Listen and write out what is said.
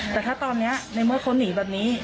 แต่ถ้าตอนนี้ในเมื่อเขาหนีแบบนี้